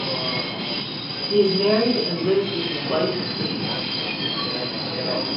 He is married and lives with his wife, Patience.